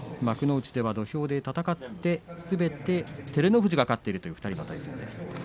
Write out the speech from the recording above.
幕内では土俵で戦ってすべて照ノ富士が勝っているという２人の対戦です。